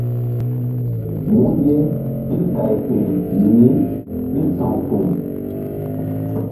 Mun ye ɓil gay feri mini ɓil sa̧w kpuh.